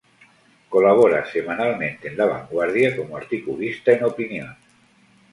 Colabora semanalmente en "La Vanguardia" como articulista en opinión.